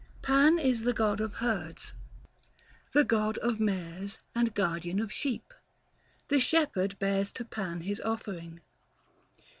285 Pan is the god of herds, the god of mares And guardian of sheep ; the shepherd bears To Pan his offering.